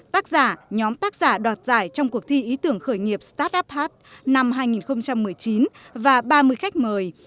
tác giả nhóm tác giả đọt giải trong cuộc thi ý tưởng khởi nghiệp startup hub năm hai nghìn một mươi chín và ba mươi khách mời